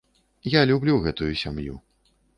Я люблю гэтую сям'ю.